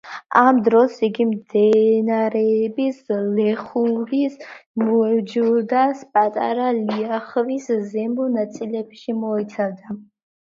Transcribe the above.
ამ დროს იგი მდინარეების ლეხურის, მეჯუდას, პატარა ლიახვის ზემო ნაწილებსაც მოიცავდა.